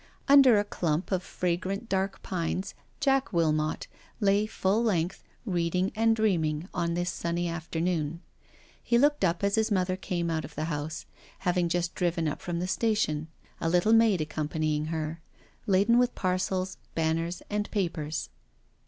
Under a clump of fragrant dark pines Jack Wilmot lay full length, reading and dreaming on this sunny afternoon. He looked up as his mother came out of the house, having just driven up from the station, a little maid accompanying her, laden with parcels, banners, and papers.